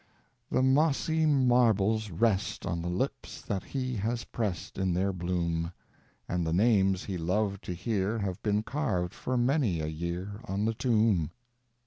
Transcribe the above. The mossy marbles rest On the lips that he has prest In their bloom, And the names he loved to hear Have been carved for many a year On the tomb.